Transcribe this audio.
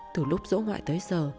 từ lúc dỗ ngoại tới giờ